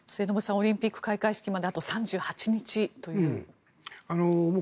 オリンピック開会式まであと３８日という。